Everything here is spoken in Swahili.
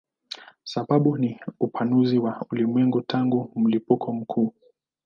Sababu ni upanuzi wa ulimwengu tangu mlipuko mkuu.